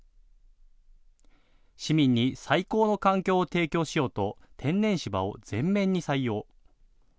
市民に最高の環境を提供しようと天然芝を全面に採用。